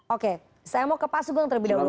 oke saya mau ke pak sugeng terlebih dahulu